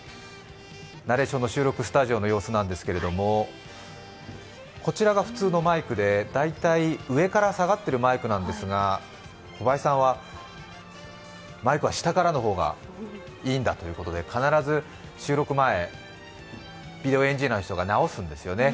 ナレーションの収録スタジオの様子なんですけれども、こちらが普通のマイクで大体上から下がってるマイクなんですが、小林さんは、マイクは下からの方がいいんだということで必ず収録前、ビデオエンジニアの人が直すんですよね。